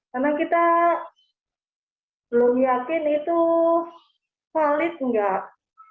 karena kita belum yakin itu valid enggak